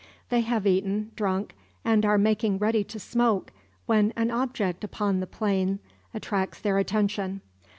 They have eaten, drunk, and are making ready to smoke, when an object upon the plain attracts their attention.